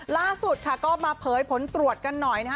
ล่าสุดก็มาเผยผลตรวจกันหน่อยด้วยล่ะ